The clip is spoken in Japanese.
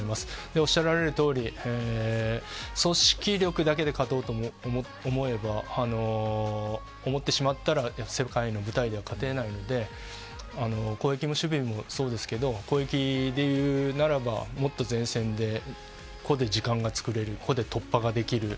おっしゃられるとおり組織力だけで勝とうと思ってしまったら世界の舞台では勝てないので攻撃も守備もそうですけど攻撃でいうならば、もっと前線で個で時間がつくれる個で突破ができる。